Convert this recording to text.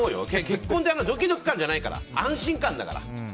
結婚ってドキドキ感じゃなくて安心感だから。